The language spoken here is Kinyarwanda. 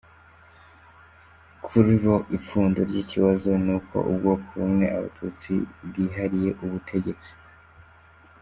Kuri bo ipfundo ry’ikibazo ni uko ubwoko bumwe –abatutsi- bwihariye ubutegetsi.